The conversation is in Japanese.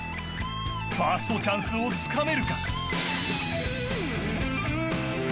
ファーストチャンスをつかめるか。